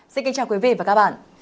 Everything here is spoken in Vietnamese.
xin kính chào quý vị và các bạn